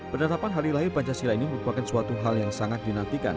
penetapan hari lahir pancasila ini merupakan suatu hal yang sangat dinantikan